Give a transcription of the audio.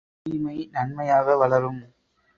தீமை நன்மையாக வளரும்!